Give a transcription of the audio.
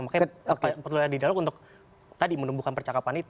makanya perlu ada dialog untuk tadi menumbuhkan percakapan itu